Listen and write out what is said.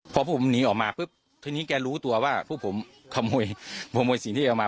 พอพวกผมหนีออกมาพึบทีนี้แกรู้ตัวว่าพวกผมขโมยสิทธิเอามา